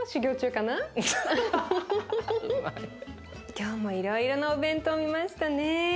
今日もいろいろなお弁当を見ましたね。